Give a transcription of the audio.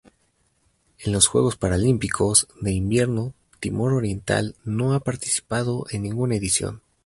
En los Juegos Paralímpicos de Invierno Timor Oriental no ha participado en ninguna edición.